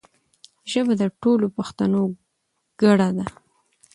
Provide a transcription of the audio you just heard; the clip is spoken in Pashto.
ژبه د ټولو پښتانو ګډه ده.